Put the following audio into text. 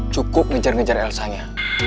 cukup ngejar ngejar elsanya